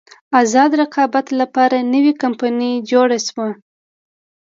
ازاد رقابت لپاره نوې کمپنۍ جوړه شوه.